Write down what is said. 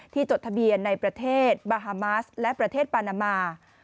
จดทะเบียนในประเทศบาฮามาสและประเทศปานามา